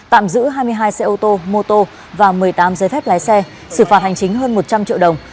tạm giữ hai mươi hai xe ô tô mô tô và một mươi tám giấy phép lái xe xử phạt hành chính hơn một trăm linh triệu đồng